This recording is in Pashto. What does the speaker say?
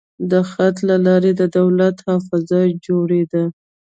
د خط له لارې د دولت حافظه جوړېده.